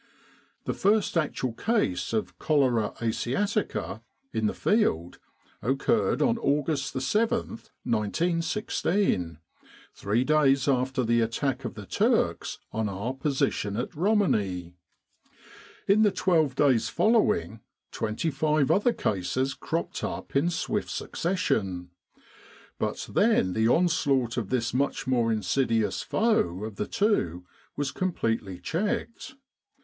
The first actuah case of cholera Asiatica, in the field, occurred on August 7, 1916, three days after the attack of the Turks on our position at Romani. In 179 With the R.A.M.C. in Egypt the twelve days following, 25 other cases cropped up in swift succession. But then the onslaught of this much more insidious foe of the two was completely checked.